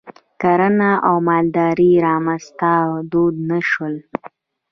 کرنه او مالداري رامنځته او دود نه شول.